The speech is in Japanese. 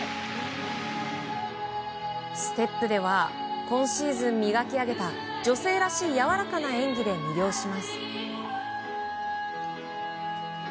ステップでは今シーズン磨き上げた女性らしい、やわらかな演技で魅了します。